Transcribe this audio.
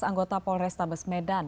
anggota polrestabes medan